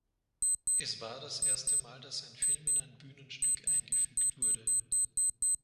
Es war das erste Mal, dass ein Film in ein Bühnenstück eingefügt wurde.